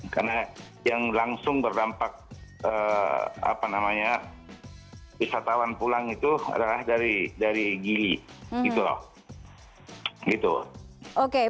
karena yang langsung berdampak wisatawan pulang itu adalah dari gili